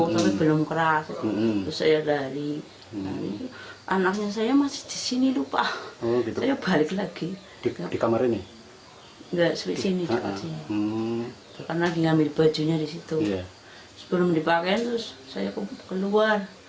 sebelum dipakai terus saya keluar